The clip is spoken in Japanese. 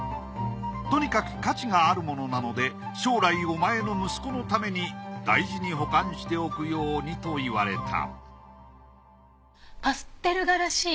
とにかく価値があるものなので将来お前の息子のために大事に保管しておくようにと言われたパステル画らしい。